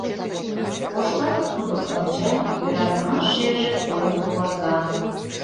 Коштанов тудым онча — йӧратымаш шерже койын оварга.